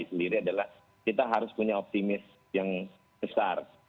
yang saya ingin mengatakan dalam formula e sendiri adalah kita harus punya optimis yang besar